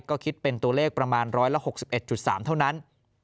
ก็คิดเป็นตัวเลขประมาณ๑๖๑๓เท่านั้น